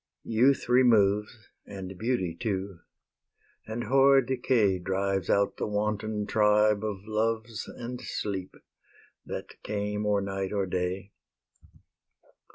Youth removes, And Beauty too; and hoar Decay Drives out the wanton tribe of Loves And Sleep, that came or night or day.